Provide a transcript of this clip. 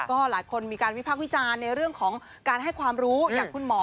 ก็หลายคนมีการวิพากษ์วิจารณ์ในเรื่องของการให้ความรู้อย่างคุณหมอ